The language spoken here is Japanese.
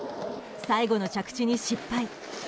最後の着地に失敗。